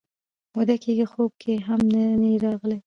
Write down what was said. موده کېږي خوب کې هم نه یې راغلی